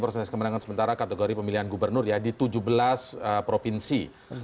proses kemenangan sementara kategori pemilihan gubernur ya di tujuh belas provinsi